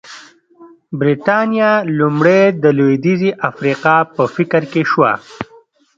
برېټانیا لومړی د لوېدیځې افریقا په فکر کې شوه.